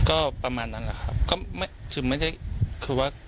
โอ้โหค่ะก็คือเค้ากายมานานแล้วเอง